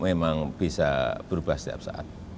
memang bisa berubah setiap saat